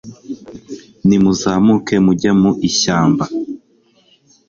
nimuzamuke mujye mu ishyamba